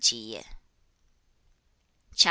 CHAP.